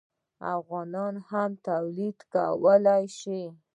افغانان هم تولید کولی شي.